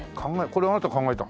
これあなたが考えたの？